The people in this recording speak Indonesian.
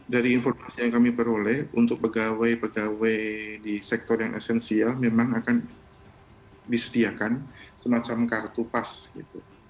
dari informasi yang kami peroleh untuk pegawai pegawai di sektor yang esensial memang akan disediakan semacam kartu pas gitu